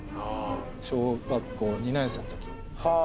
小学校２年生のとき。